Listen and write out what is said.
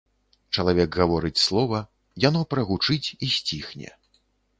Чалавек гаворыць слова, яно прагучыць і сціхне.